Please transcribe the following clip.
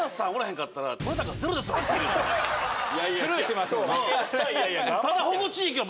スルーしてますもんね。